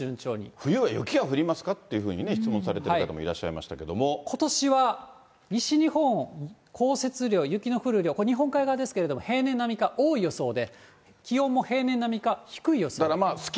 冬は雪は降りますかっていうふうに、質問されてる方もいらっことしは西日本、降雪量、雪の降る量、これ、日本海側ですけれども、平年並みか多い予想で、気温も平年並みか低い予想。